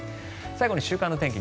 最後に週間の天気